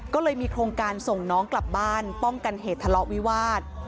ก็เลยมีโครงการส่งน้องกลับบ้านป้องกันเหตุทะเลาะวิวาส